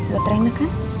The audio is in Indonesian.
buat rena kan